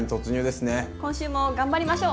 今週も頑張りましょう！